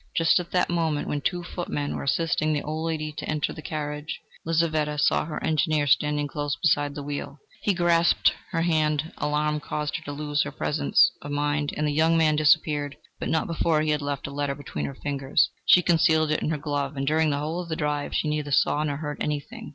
Just at the moment when two footmen were assisting the old lady to enter the carriage, Lizaveta saw her Engineer standing close beside the wheel; he grasped her hand; alarm caused her to lose her presence of mind, and the young man disappeared but not before he had left a letter between her fingers. She concealed it in her glove, and during the whole of the drive she neither saw nor heard anything.